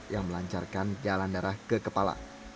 yang melancarkan jalan darah ke kepala